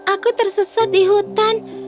aku tersesat di hutan